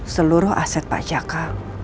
seluruh aset pak jaka